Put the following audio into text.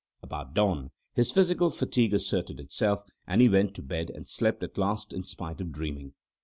About dawn, his physical fatigue asserted itself, and he went to bed and slept at last in spite of dreaming.